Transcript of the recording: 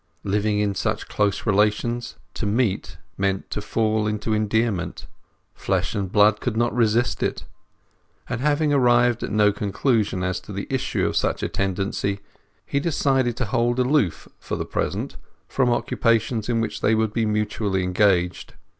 Living in such close relations, to meet meant to fall into endearment; flesh and blood could not resist it; and, having arrived at no conclusion as to the issue of such a tendency, he decided to hold aloof for the present from occupations in which they would be mutually engaged.